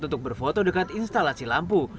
untuk berfoto dekat instalasi lampu